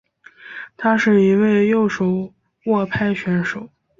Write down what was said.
他是一位右手握拍选手。